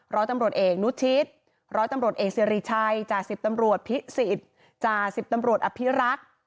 ร้อยตำรวจเอกนุชิตร้อยตำรวจเอกสิริชัยจ่าสิบตำรวจพิสิทธิ์จ่าสิบตำรวจอภิรักษ์